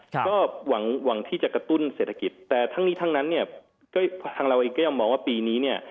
ก็หวังที่จะกระตุ้นเศรษฐกิจแต่ทั้งนี้ทั้งนั้นเนี่ยก็ทางเราเองก็ยังมองว่าปีนี้เนี่ย